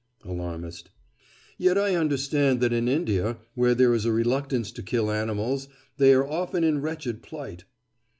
ALARMIST: Yet I understand that in India, where there is a reluctance to kill animals, they are often in wretched plight.